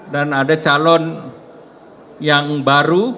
dan ada calon yang baru